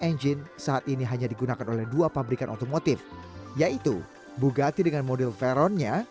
engine saat ini hanya digunakan oleh dua pabrikan otomotif yaitu bugati dengan model veronnya